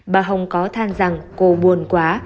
bà hồng có than rằng cô buồn quá